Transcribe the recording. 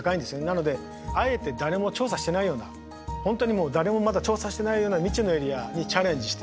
なのであえて誰も調査してないような本当に誰もまだ調査してないような未知のエリアにチャレンジしています。